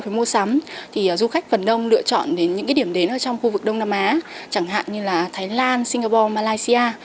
đối với mua sắm du khách phần đông lựa chọn những điểm đến trong khu vực đông nam á chẳng hạn như là thái lan singapore malaysia